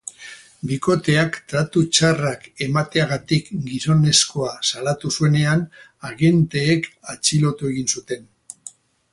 Bikoteak tratu txarrak emateagatik gizonezkoa salatu zuenean, agenteek atxilotu egin zuten.